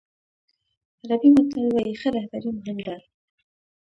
عربي متل وایي ښه رهبري مهم ده.